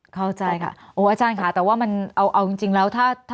เข้าใจค่ะโอ้อาจารย์ค่ะแต่ว่ามันเอาจริงแล้ว